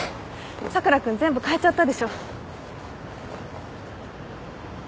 佐倉君全部かえちゃったでしょ。